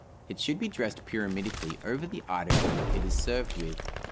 It should be dressed pyramidically over the article it is served with.